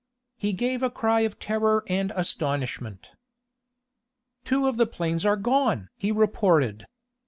He gave a cry of terror and astonishment. "Two of the planes are gone!" he reported.